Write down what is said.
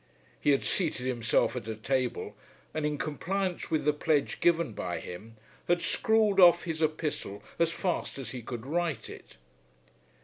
He had seated himself at a table and in compliance with the pledge given by him, had scrawled off his epistle as fast as he could write it.